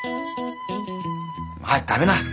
早く食べな。